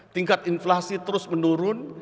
tingkat inflasi terus menurun